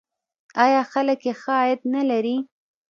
آیا خلک یې ښه عاید نلري؟